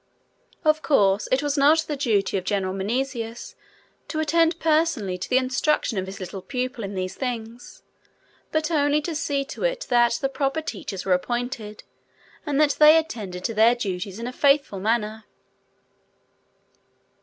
Of course, it was not the duty of General Menesius to attend personally to the instruction of his little pupil in these things, but only to see to it that the proper teachers were appointed, and that they attended to their duties in a faithful manner.